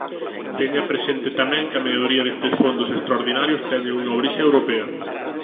Teña presente tamén que a maioría destes fondos extraordinarios teñen unha orixe europea.